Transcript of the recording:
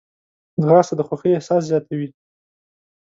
ځغاسته د خوښۍ احساس زیاتوي